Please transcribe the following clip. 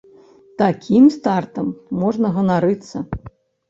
Такім стартам можна ганарыцца.